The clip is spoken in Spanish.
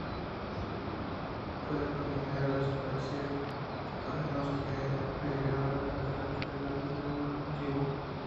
Pueden contener o esparcir patógenos que degradan la calidad de un cultivo.